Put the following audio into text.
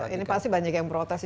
ini pasti banyak yang protes ya